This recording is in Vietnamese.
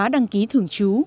đăng ký thường chú